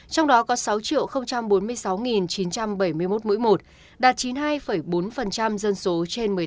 trong đó có sáu bốn mươi sáu chín trăm bảy mươi một mũi một đạt chín mươi hai bốn dân số trên một mươi tám